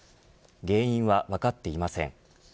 原因は分かっていません。